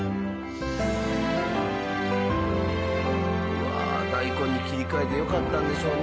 うわ大根に切り替えてよかったんでしょうね。